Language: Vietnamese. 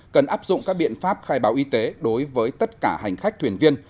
cần áp dụng các biện pháp khai báo y tế đối với tất cả hành khách thuyền viên